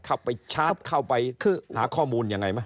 เข้าไปชาร์จเข้าไปหาข้อมูลยังไงไหม